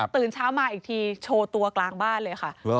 ตื่นเช้ามาอีกทีโชว์ตัวกลางบ้านเลยค่ะ